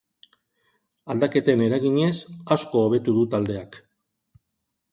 Aldaketen eraginez, asko hobetu du taldeak.